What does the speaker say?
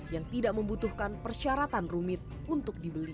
yang tidak membutuhkan persyaratan rumit untuk dibeli